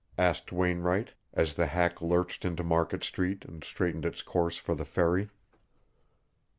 asked Wainwright, as the hack lurched into Market Street and straightened its course for the ferry.